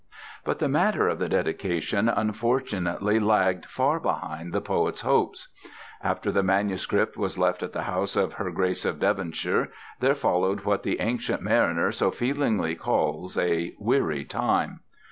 But the matter of the dedication unfortunately lagged far behind the poet's hopes. After the manuscript was left at the house of her Grace of Devonshire there followed what the Ancient Mariner so feelingly calls a weary time.